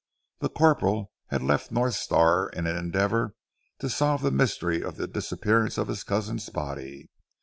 The corporal had left North Star in an endeavour to solve the mystery of the disappearance of his cousin's body.